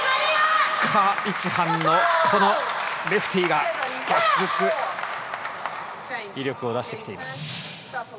カ・イチハンのレフティが少しずつ威力を出してきています。